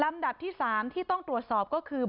ดับที่๓ที่ต้องตรวจสอบก็คือ